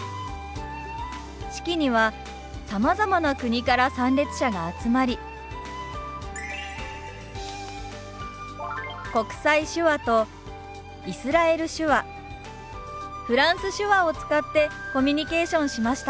式にはさまざまな国から参列者が集まり国際手話とイスラエル手話フランス手話を使ってコミュニケーションしました。